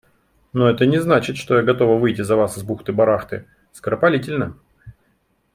Но это не значит, что я готова выйти за Вас с бухты-барахты, скоропалительно.